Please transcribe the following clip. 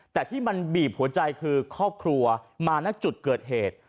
แต่ที่มันบีบหัวใจคือครอบครัวมาณจุดเกิดเหตุ